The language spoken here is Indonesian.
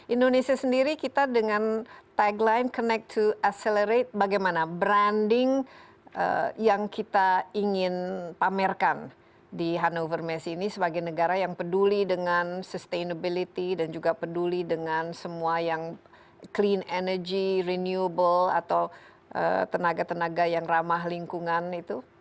indonesia sendiri kita dengan tagline connect to accelerate bagaimana branding yang kita ingin pamerkan di hannover messe ini sebagai negara yang peduli dengan sustainability dan juga peduli dengan semua yang clean energy renewable atau tenaga tenaga yang ramah lingkungan itu